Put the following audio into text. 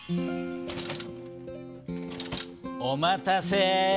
お待たせ。